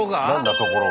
ところが。